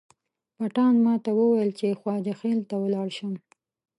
پټان ماته وویل چې خواجه خیل ته ولاړ شم.